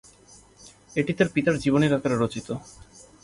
এটি তাঁর পিতার জীবনীর আকারে রচিত।